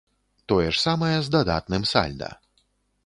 Тое ж самае з дадатным сальда.